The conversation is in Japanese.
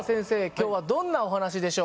今日はどんなお話でしょうか。